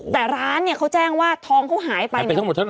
แต่ร้านเนี่ยเขาแจ้งว่าทองเขาหายไปเนี่ย